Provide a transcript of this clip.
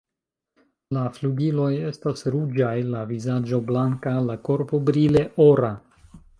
La flugiloj estas ruĝaj, la vizaĝo blanka, la korpo brile ora.